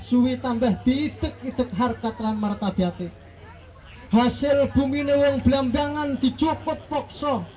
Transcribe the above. suwi tambah diitek itek harkatlan martabiatik hasil bumi lewong belambangan dicopot pokso